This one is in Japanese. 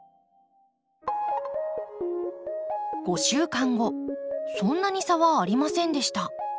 ５週間後そんなに差はありませんでした。